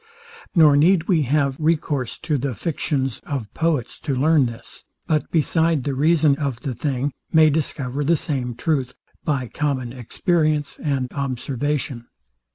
Nor need we have recourse to the fictions of poets to learn this; but beside the reason of the thing, may discover the same truth by common experience and observation.